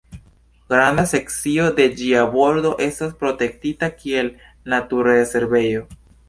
Granda sekcio de ĝia bordo estas protektita kiel naturrezervejo.